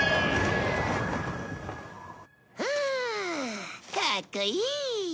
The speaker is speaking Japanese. うんかっこいい！